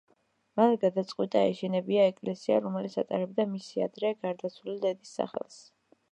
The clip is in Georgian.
მან გადაწყვიტა აეშენებინა ეკლესია, რომელიც ატარებდა მისი ადრე გარდაცვლილი დედის სახელს.